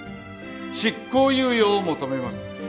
執行猶予を求めます。